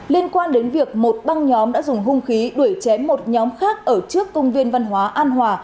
liên quan đến việc một băng nhóm đã dùng hung khí đuổi chém một nhóm khác ở trước công viên văn hóa an hòa